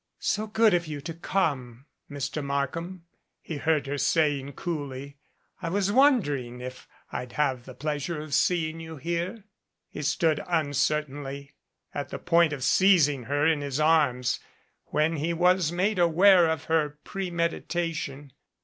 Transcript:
"So good of you to come, Mr. Markham," he heard her saying coolly. "I was wondering if I'd have the pleasure of seeing you here." He stood uncertainly at the point of seizing her in his arms when he was made aware of her premeditation.